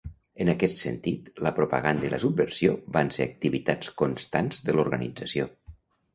En aquest sentit, la propaganda i la subversió van ser activitats constants de l'organització.